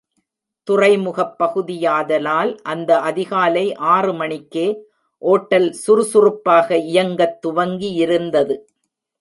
துறைமுகப் பகுதியாதலால் அந்த அதிகாலை ஆறு மணிக்கே ஓட்டல் சுறு சுறுப்பாக இயங்கத் துவங்கியிருந்தது.